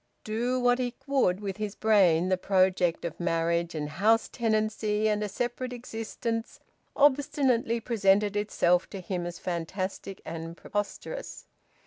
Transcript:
Do what he would with his brain, the project of marriage and house tenancy and a separate existence obstinately presented itself to him as fantastic and preposterous.